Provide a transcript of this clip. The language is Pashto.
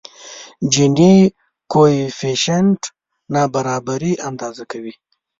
جیني کویفشینټ نابرابري اندازه کوي.